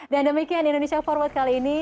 dan demikian indonesia forward kali ini